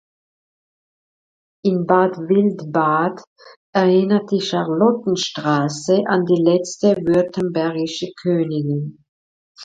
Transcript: In Bad Wildbad erinnert die Charlottenstraße an die letzte württembergische Königin.